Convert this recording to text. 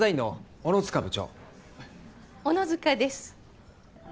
小野塚です。